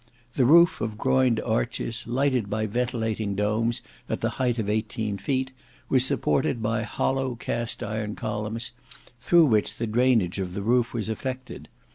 The roof of groined arches, lighted by ventilating domes at the height of eighteen feet, was supported by hollow cast iron columns, through which the drainage of the roof was effected.